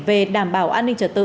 về đảm bảo an ninh trật tự